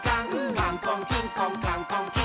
「カンコンキンコンカンコンキン！」